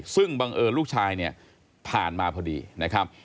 ซึ่งบังเอิญลูกชายเนี่ยผ่านมาพอดีนะครับ